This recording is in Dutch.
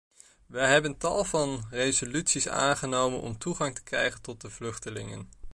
Wij hebben tal van resoluties aangenomen om toegang te krijgen tot de vluchtelingen.